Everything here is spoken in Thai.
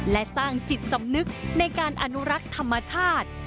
และสร้างจิตสำนึกในการอนุรักษ์ธรรมชาติ